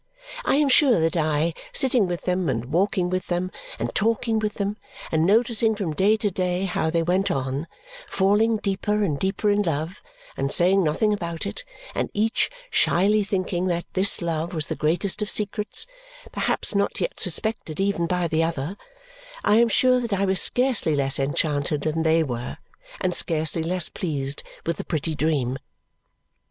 I am sure that I, sitting with them, and walking with them, and talking with them, and noticing from day to day how they went on, falling deeper and deeper in love, and saying nothing about it, and each shyly thinking that this love was the greatest of secrets, perhaps not yet suspected even by the other I am sure that I was scarcely less enchanted than they were and scarcely less pleased with the pretty dream.